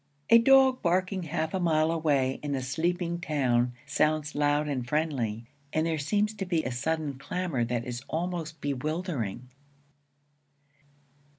A dog barking half a mile away in the sleeping town sounds loud and friendly, and there seems to be a sudden clamor that is almost bewildering.